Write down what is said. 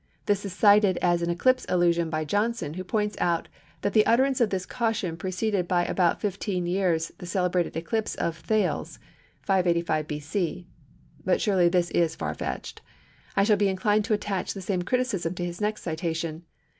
This is cited as an eclipse allusion by Johnson, who points out that the utterance of this caution preceded by about fifteen years the celebrated eclipse of Thales (585 B.C.). But surely this is far fetched. I shall be inclined to attach the same criticism to his next citation.